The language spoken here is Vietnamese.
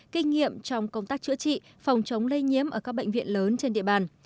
kinh nghiệm trong công tác chữa trị phòng chống lây nhiễm ở các bệnh viện lớn trên địa bàn